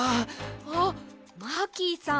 あっマーキーさん